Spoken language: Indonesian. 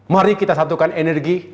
mari kita satukan energi